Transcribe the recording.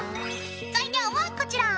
材料はこちら！